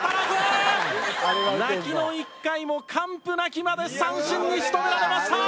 泣きの１回も完膚なきまで三振に仕留められました！